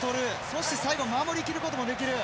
そして、最後守りきることもできる。